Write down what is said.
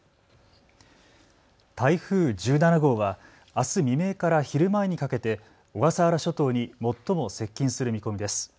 台風１７号はあす未明から昼前にかけて小笠原諸島に最も接近する見込みです。